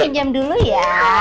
mama pinjam dulu ya